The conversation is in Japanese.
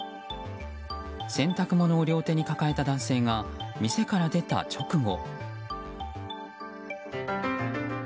洗濯物を両手に抱えた男性が店から出た直後。